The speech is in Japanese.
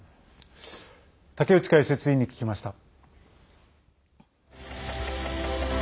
竹内解説委員に聞きました。